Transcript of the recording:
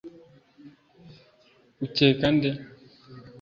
ukeka nde